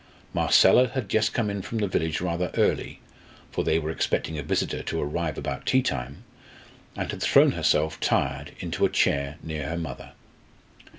Marcella had just come in from the village rather early, for they were expecting a visitor to arrive about tea time, and had thrown herself, tired, into a chair near her mother.